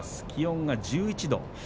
気温が１１度。